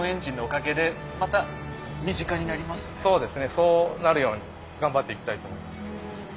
そうなるように頑張っていきたいと思います。